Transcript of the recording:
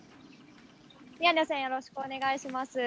宮根さん、よろしくお願いします。